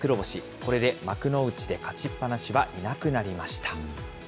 これで幕内で勝ちっぱなしはいなくなりました。